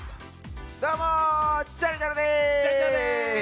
どうもジャルジャルです。